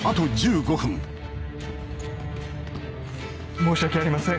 申し訳ありません。